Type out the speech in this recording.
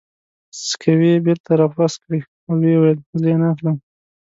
سکوې یې بېرته را واپس کړې او ویې ویل: زه یې نه اخلم.